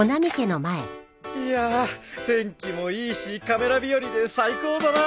いやあ天気もいいしカメラ日和で最高だな！